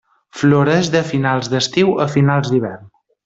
Floreix de finals d'estiu a finals d'hivern.